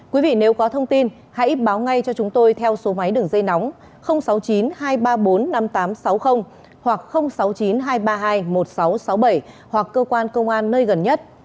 quý vị nếu có thông tin hãy báo ngay cho chúng tôi theo số máy đường dây nóng sáu mươi chín hai trăm ba mươi bốn năm nghìn tám trăm sáu mươi hoặc sáu mươi chín hai trăm ba mươi hai một nghìn sáu trăm sáu mươi bảy hoặc cơ quan công an nơi gần nhất